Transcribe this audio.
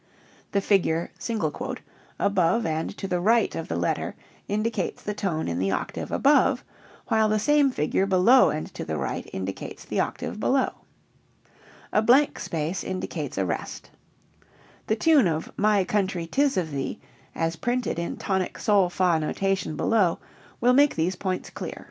The figure ' above and to the right of the letter indicates the tone in the octave above, while the same figure below and to the right indicates the octave below. A blank space indicates a rest. The tune of My Country, 'Tis of Thee, as printed in tonic sol fa notation below will make these points clear. Key F |d :d :r |t_1 : .d :r |m :m :f |m